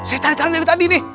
saya cari calon dari tadi nih